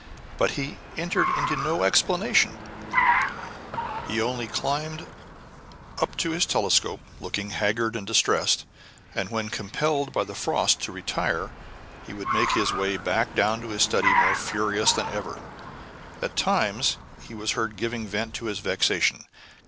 But he entered into no explanation; he only climbed up to his telescope, looking haggard and distressed, and when compelled by the frost to retire, he would make his way back to his study more furious than ever. At times he was heard giving vent to his vexation.